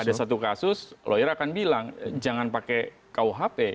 ada satu kasus lawyer akan bilang jangan pakai kuhp